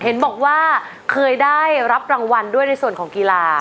เห็นบอกว่าเคยได้รับรางวัลด้วยในส่วนของกีฬา